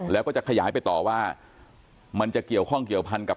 แล้วก็จะขยายไปต่อว่ามันจะเกี่ยวข้องเกี่ยวพันกับ